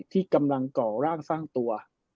ที่กำลังก่อร่างสร้างตัว